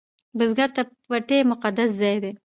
بزګر ته پټی مقدس ځای دی